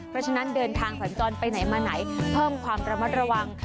เพราะฉะนั้นเดินทางสัญจรไปไหนมาไหนเพิ่มความระมัดระวัง